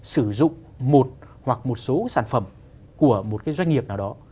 sử dụng một hoặc một số sản phẩm của một cái doanh nghiệp nào đó